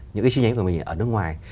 những chi nhánh của mình ở nước ngoài